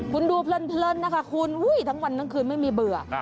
คุณดูเพลินนะคะคุณทั้งวันทั้งคืนไม่มีเบื่อ